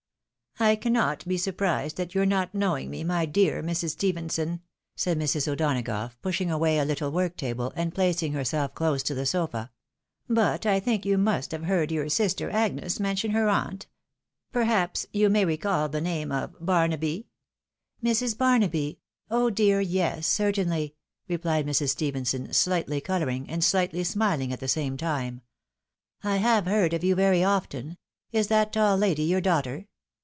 I cannot be surprised at your not knowing me, my dear Mrs. Stephenson," said Mrs. O'Donagough, pushing away a little work table, and placing herself close to the sofa, " but I think you must have heard your sister Agnes mention her aunt. — ^Perhaps you may reoal the name of Barnaby ?"" Mrs. Barnaby ? Oh dear yes, certainly !" rephed Mrs. Stephenson, sUghtly colouring, and slightly smiling at the same time. " I have heard of you very often. Is that tall lady your daughter